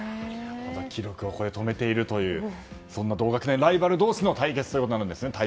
記録を止めているというそんな同学年ライバル同士の対局となるんですね。